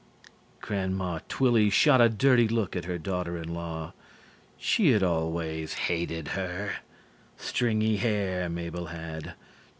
Grandma Twilly shot a dirty look at her daughter in law. She had always hated her. Stringy hair, Mabel had.